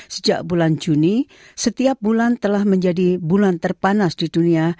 sejak bulan juni setiap bulan telah menjadi bulan terpanas di dunia